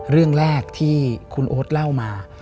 เรื่องแรกที่คุณโอ๊ตเล่ามา